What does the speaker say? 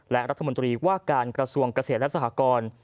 และรัฐมนตรีว่าการกระทรวงเกษตรและสหกร